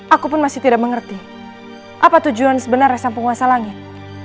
aku pun masih tidak mengerti apa tujuan sebenarnya sang penguasa langit